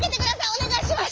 おねがいします。